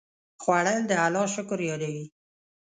خوړل د الله شکر یادوي